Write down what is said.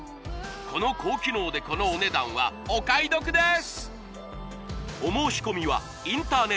この高機能でこのお値段はお買い得です